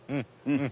うん？